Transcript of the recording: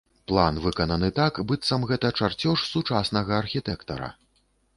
План выкананы так, быццам гэта чарцёж сучаснага архітэктара.